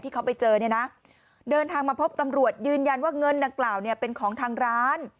เขาไปเจอเนี่ยนะเดินทางมาพบตำรวจยืนยันว่าเงินดังกล่าวเนี่ยเป็นของทางร้าน